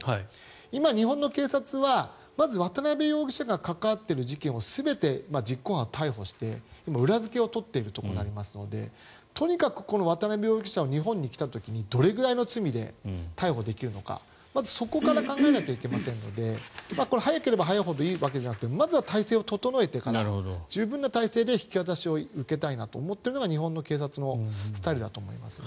今、日本の警察はまず渡邉容疑者が関わっている事件を全て実行犯、逮捕して裏付けを取っているところになりますのでとにかく渡邉容疑者を日本に来た時にどれぐらいの罪で逮捕できるのかまずそこから考えなきゃいけませんので早ければ早いほどいいわけじゃなくてまずは態勢を整えてから十分な態勢で引き渡しを受けたいなと思っているのが日本の警察のスタイルだと思いますね。